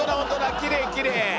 きれいきれい。